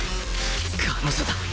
彼女だ！